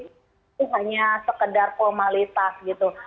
itu hanya sekedar formalitas gitu